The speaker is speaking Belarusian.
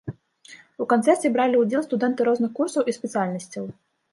У канцэрце бралі ўдзел студэнты розных курсаў і спецыяльнасцяў.